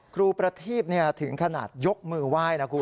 ครูประทีบถึงขนาดยกมือไหว้นะคุณ